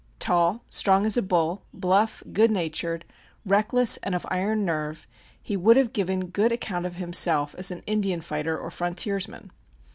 Tall, strong as a bull, bluff, good natured, reckless and of iron nerve, he would have given good account of himself as an Indian fighter or frontiersman.